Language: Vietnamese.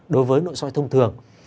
đối với nội soi thông thường